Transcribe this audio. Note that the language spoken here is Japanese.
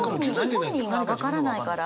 本人は分からないから。